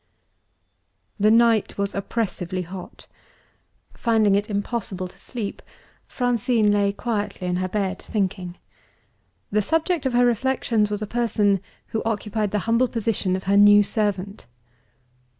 The night was oppressively hot. Finding it impossible to sleep, Francine lay quietly in her bed, thinking. The subject of her reflections was a person who occupied the humble position of her new servant.